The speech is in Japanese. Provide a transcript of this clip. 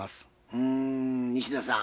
うん西田さん